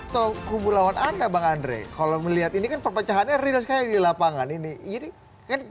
terima kasih banyak banyak